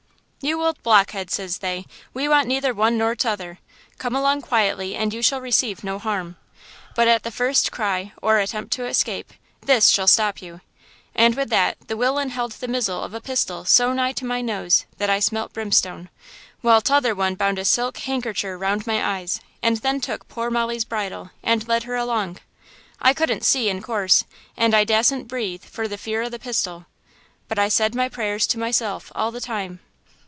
"'You old blockhead!' says they, 'we want neither one nor t'other! Come along quietly and you shall receive no harm. But at the first cry, or attempt to escape–this shall stop you!" And with that the willain held the mizzle of a pistil so nigh to my nose that I smelt brimstone, while t'other one bound a silk hankercher round my eyes, and then took poor Molly's bridle and led her along. I couldn't see, in course, and I dassint breathe for fear o' the pistil. But I said my prayers to myself all the time.